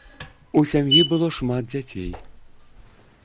У сям'і было шмат дзяцей.